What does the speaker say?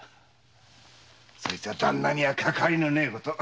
そいつはダンナにはかかわりのねえこと。